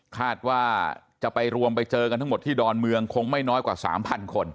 คาดว่าจะไปรวมไปเจอกันทั้งหมดที่ดอนเมืองคงไม่น้อยกว่า๓๐๐คน